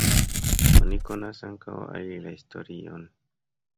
Oni konas ankaŭ alie la historion.